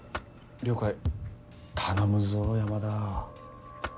了解頼むぞ山田。